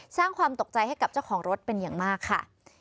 สร้างความตกใจให้กับเจ้าของรถเป็นอย่างมากค่ะ